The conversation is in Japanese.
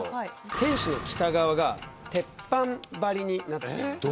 天守の北側が鉄板張りになっている。